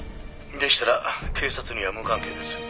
「でしたら警察には無関係です」